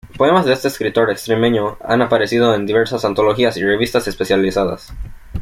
Poemas de este escritor extremeño han aparecido en diversas antologías y revistas especializadas.